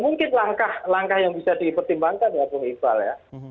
mungkin langkah langkah yang bisa dipertimbangkan ya bung iqbal ya